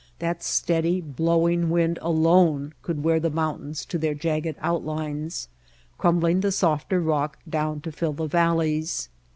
That steady blow ing wind alone could wear the mountains to their jagged outlines, crumbling the softer rock down to fill the valleys.